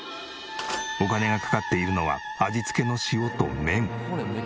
お金がかかっているのは味付けの塩と麺。